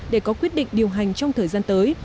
để có quyết định điều hành trong thời gian tới